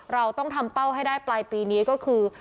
เราต้องทำเป้าให้ได้ปลายปีนี้ก็คือ